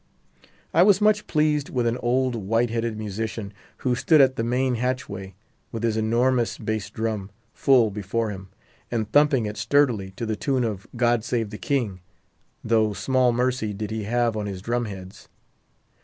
I was much pleased with an old white headed musician, who stood at the main hatchway, with his enormous bass drum full before him, and thumping it sturdily to the tune of "God Save the King!" though small mercy did he have on his drum heads.